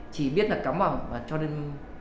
chỉ biết là cắm vào và cho lên